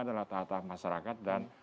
adalah tahap tahap masyarakat dan